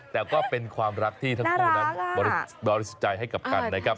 แต่ก็เป็นความรักที่ทั้งคู่นั้นบริสุทธิ์ใจให้กับกันนะครับ